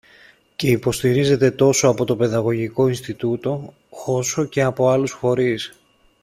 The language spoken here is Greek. και υποστηρίζεται τόσο από το Παιδαγωγικό Ινστιτούτο, όσο και από άλλους φορείς